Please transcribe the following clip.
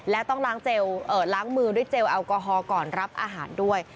และต้องล้างมือด้วยเจลแอลกอฮอลก่อนรับอาหารด้วย